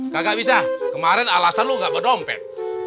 gak bisa kemarin alasan lu gak berdompet